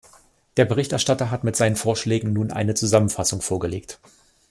Der Berichterstatter hat mit seinen Vorschlägen nun eine Zusammenfassung vorgelegt.